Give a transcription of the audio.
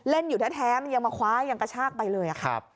อยู่แท้มันยังมาคว้ายังกระชากไปเลยค่ะ